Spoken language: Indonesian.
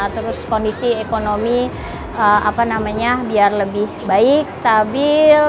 terus kondisi ekonomi biar lebih baik stabil